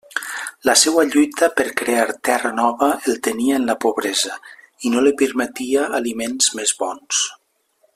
La seua lluita per crear terra nova el tenia en la pobresa, i no li permetia aliments més bons.